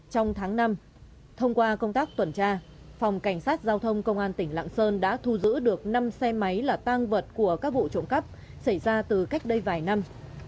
trong tháng năm thông qua công tác tuần tra phòng cảnh sát giao thông công an tỉnh lạng sơn đã thu giữ được năm xe máy là tang vật của các vụ trộm cắp xảy ra từ cách đây vài năm